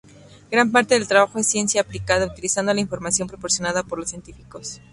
Gran parte del trabajo es ciencia aplicada, utilizando la información proporcionada por los científicos.